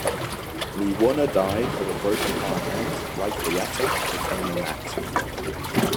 Me Wunna died of a broken heart and, like Byatta, became a nat.